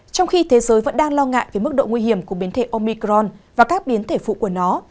trong khi thế giới vẫn đang lo ngại về mức độ nguy hiểm của biến thể omicron và các biến thể phụ của nó